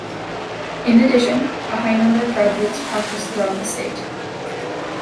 In addition, a high number of graduates practice throughout the state.